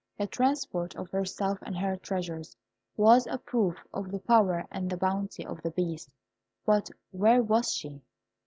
The transport of herself and her treasures was a proof of the power and bounty of the Beast; but where was she?